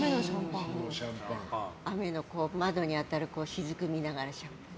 雨の窓に当たるしずくを見ながらシャンパン。